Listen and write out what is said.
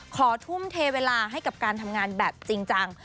ทุ่มเทเวลาให้กับการทำงานแบบจริงจัง